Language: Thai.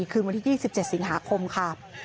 คืนวันที่๒๗สิงหาคมค่ะ